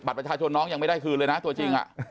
ประชาชนน้องยังไม่ได้คืนเลยนะตัวจริง